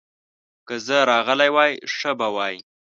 که زه راغلی وای، ښه به وای.